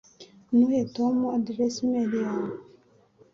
Ntuhe Tom aderesi imeri yawe